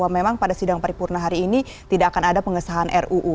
memang pada sidang paripurna hari ini tidak akan ada pengesahan ruu